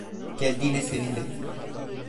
Geldiğine sevindim.